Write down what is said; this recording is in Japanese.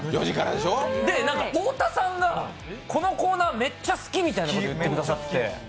太田さんがこのコーナーめっちゃ好きみたいなことおっしゃってくださって。